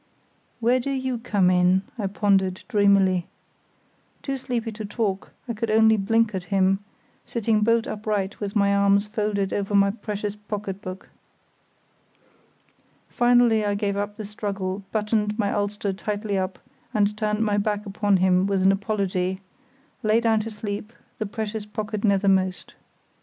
"Where do you come in?" I pondered, dreamily. Too sleepy to talk, I could only blink at him, sitting bolt upright with my arms folded over my precious pocket book. Finally, I gave up the struggle, buttoned my ulster tightly up, and turning my back upon him with an apology, lay down to sleep, the precious pocket nethermost.